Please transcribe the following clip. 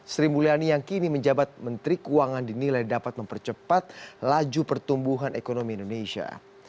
sri mulyani yang kini menjabat menteri keuangan dinilai dapat mempercepat laju pertumbuhan ekonomi indonesia